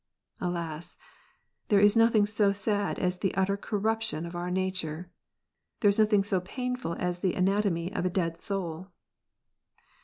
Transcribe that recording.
Alas, there is nothing so sad as the utter corruption of our nature ! There is nothing J30 painful as the anatomy of a dead soul.